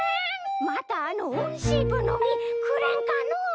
またあのオンシープの実くれんかのう？